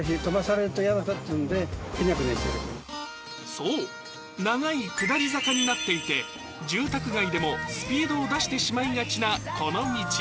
そう、長い下り坂になっていて、住宅街でもスピードを出してしまいがちなこの道。